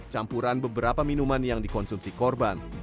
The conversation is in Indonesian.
atau efek campuran beberapa minuman yang dikonsumsi korban